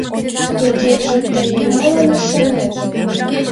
— Тугеже тый юмылан ӱшанет?